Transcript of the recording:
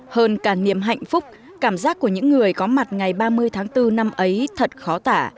hơn cả niềm hạnh phúc cảm giác của những người có mặt ngày ba mươi tháng bốn năm ấy thật khó tả